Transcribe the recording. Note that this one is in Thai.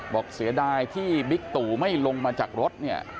เสียดายที่บิ๊กตู่ไม่ลงมาจากรถเนี่ย